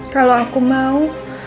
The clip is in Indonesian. kalau aku mau